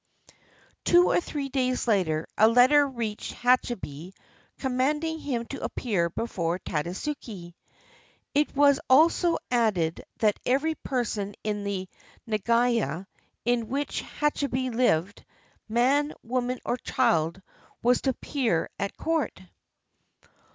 Two or three days after, a letter reached Hachibei commanding him to appear before Tadasuke. It was also added that every person in the nagaya in which Hachibei lived, man, woman, or child, was to appear at court.